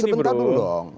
sebentar dulu dong